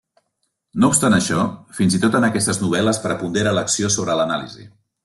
No obstant això, fins i tot en aquestes novel·les prepondera l'acció sobre l'anàlisi.